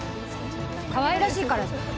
かわいらしいからじゃ。